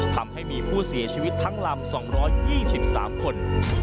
ทำให้มีผู้เสียชีวิตทั้งลำ๒๒๓คน